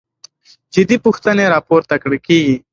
جدي پوښتنې راپورته کېږي.